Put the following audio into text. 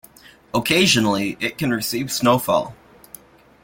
Occasionally, it can receive snowfall.